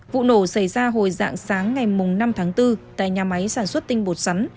vụ nổ xảy ra hồi dạng sáng ngày năm tháng bốn tại nhà máy sản xuất tinh bột sắn